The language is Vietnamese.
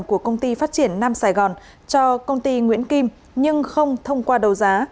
của công ty phát triển nam sài gòn cho công ty nguyễn kim nhưng không thông qua đầu giá